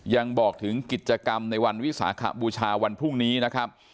ยังบอกถึงกิจกรรมในวันวิสาขบูชาวันพรุ่งนี้นะครับ